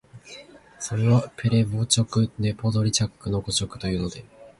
それは「ペレヴォッチクはポドリャッチクの誤植」というので、